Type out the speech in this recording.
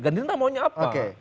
gerindra maunya apa